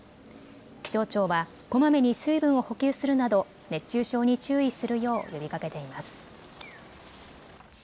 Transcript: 気象庁はこまめに水分を補給するなど熱中症に注意するよう呼びかけています。